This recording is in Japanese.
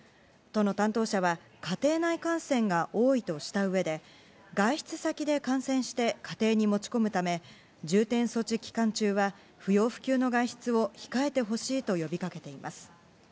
都の担当者は家庭内感染が多いとしたうえで外出先で感染して家庭に持ち込むため重点措置期間中は不要不急の外出を控えてほしいと呼びかけています。